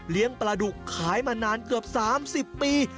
เลี้ยงปลาดุกขายมานานเกือบ๓๐ปี